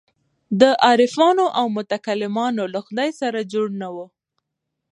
د عارفانو او متکلمانو له خدای سره جوړ نه وو.